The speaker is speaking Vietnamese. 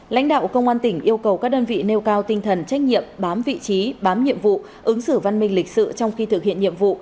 lãnh đạo công an tỉnh yêu cầu các đơn vị nêu cao tinh thần trách nhiệm bám vị trí bám nhiệm vụ ứng xử văn minh lịch sự trong khi thực hiện nhiệm vụ